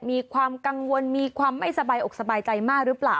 มีความกังวลมีความไม่สบายอกสบายใจมากหรือเปล่า